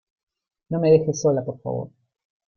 no me dejes sola, por favor.